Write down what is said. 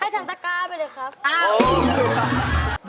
ทั้งตะก้าไปเลยครับ